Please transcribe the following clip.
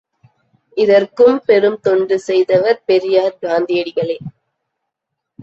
இதற்கும் பெரும் தொண்டு செய்தவர் பெரியார் காந்தியடிகளே!